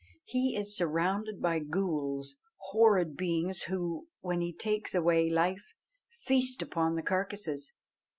He is surrounded by ghools, horrid beings who, when he takes away life, feast upon the carcasses.